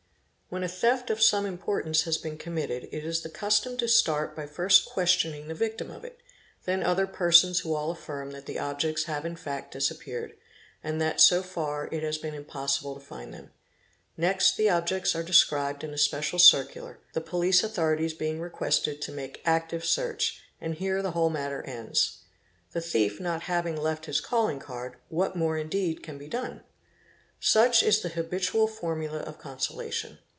When a theft of some importance has been committed it is the custom to start by first questioning the victim of it, then other persons who all affirm that the objects have in fact disappeared and that so far it has been impossible to find them; next the objects are described in a special circular, the police authorities being requested to make "active search '', and here the whole matter ends. The thief not having left his calling card, what more indeed can be done? Such is the habitual formula of consolation.